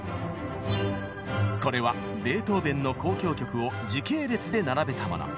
これはベートーベンの交響曲を時系列で並べたもの。